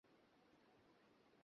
নাকি বলেন, আপনি আসেন না?